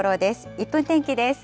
１分天気です。